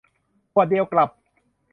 ขวดเดียวกลับ